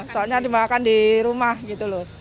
soalnya dimakan di rumah gitu loh